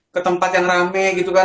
ke tempat yang rame gitu kan